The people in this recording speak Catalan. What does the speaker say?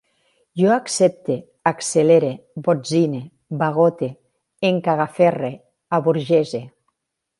Jo accepte, accelere, botzine, bagote, em cagaferre, aburgese